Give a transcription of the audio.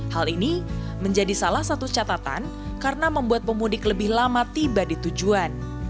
hal ini menjadi salah satu catatan karena membuat pemudik lebih lama tiba di tujuan